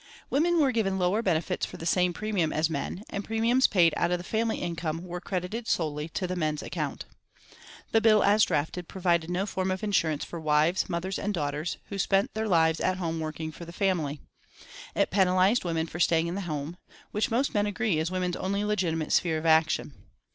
Women were given lower benefits for the same premium as men, and premiums paid out of the family income were credited solely to the men's account. The bill as drafted provided no form of insurance for wives, mothers and daughters who spent their lives at home working for the family. It penalised women for staying in the home, which most men agree is women's only legitimate sphere of action.